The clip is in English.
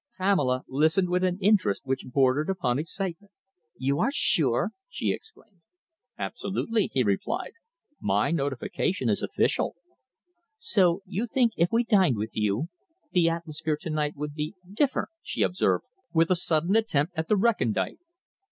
Pamela listened with an interest which bordered upon excitement. "You are sure?" she exclaimed. "Absolutely," he replied. "My notification is official." "So you think if we dined with you, the atmosphere to night would be different?" she observed, with a sudden attempt at the recondite.